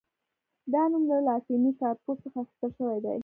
دا نوم له لاتیني «کارپوس» څخه اخیستل شوی دی.